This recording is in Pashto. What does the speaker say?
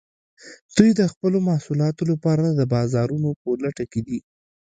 دوی د خپلو محصولاتو لپاره د بازارونو په لټه کې دي